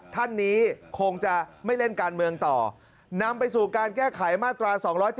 ท่านนี้คงจะไม่เล่นการเมืองต่อนำไปสู่การแก้ไขมาตรา๒๗๒